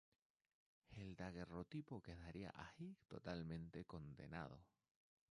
El daguerrotipo quedaría así totalmente condenado.